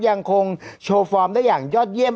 ยังคงโชว์ฟอร์มได้อย่างยอดเยี่ยม